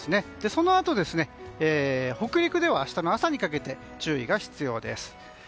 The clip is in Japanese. そのあと北陸では明日の朝にかけて注意が必要です。